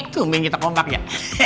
tumben kita kompak ya